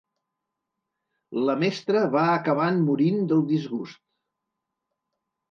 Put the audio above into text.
La mestra va acabant morint del disgust.